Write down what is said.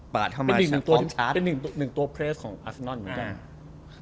เป็น๑ตัวเพรสของอาเซนอนเหมือนกัน